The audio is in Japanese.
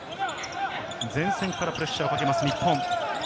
前線からプレッシャーをかけます、日本。